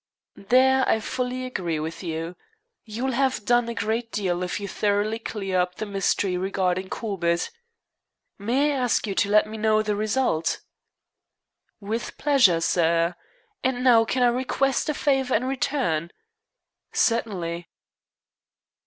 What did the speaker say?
"There I fully agree with you. You will have done a great deal if you thoroughly clear up the mystery regarding Corbett. May I ask you to let me know the result?" "With pleasure, sir. And now, can I request a favor in return?" "Certainly."